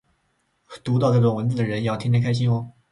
读到这段文字的人要天天开心哦